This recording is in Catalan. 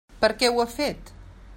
Per què ho ha fet?